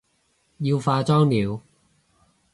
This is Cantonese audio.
要化妝了